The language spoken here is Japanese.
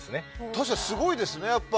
たしかにすごいですね。